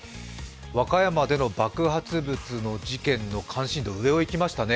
和歌山での爆発物の事件の関心度の上をいきましたね。